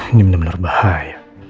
ini benar benar bahaya